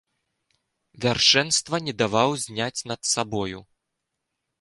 Вяршэнства не даваў зняць над сабою.